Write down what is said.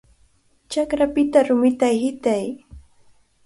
¡Chakrapita rumita hitay!